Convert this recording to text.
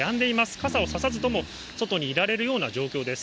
傘を差さずとも外にいられるような状況です。